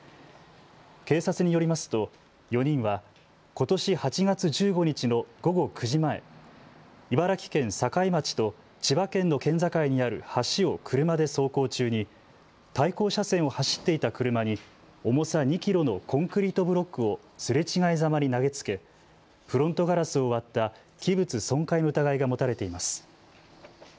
警察によりますと４人はことし８月１５日の午後９時前、茨城県境町と千葉県の県境にある橋を車で走行中に対向車線を走っていた車に重さ２キロのコンクリートブロックをすれ違いざまに投げつけフロントガラスを割った器物損壊の疑いが持たれています。